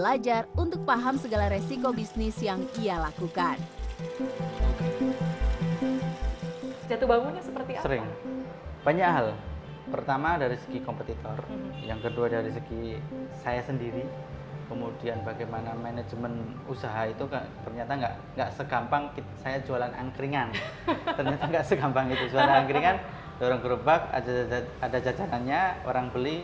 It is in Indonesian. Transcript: lewat media sosial dan edukasi yang diberikan melalui brosur